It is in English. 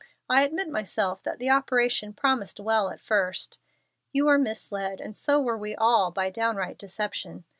I admit myself that the operation promised well at first. You were misled, and so were we all, by downright deception.